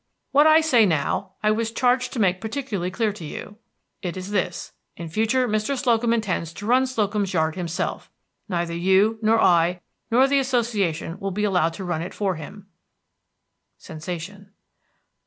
"What I say now, I was charged to make particularly clear to you. It is this: In future Mr. Slocum intends to run Slocum's Yard himself. Neither you, nor I, nor the Association will be allowed to run it for him. [Sensation.